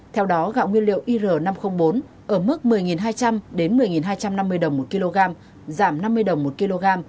theo đó gạo nguyên liệu ir năm trăm linh bốn ở mức một mươi hai trăm linh một mươi hai trăm năm mươi đồng một kg giảm năm mươi đồng một kg